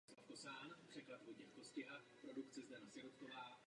Až do své smrti byl trenérem národního družstva Kuvajtu.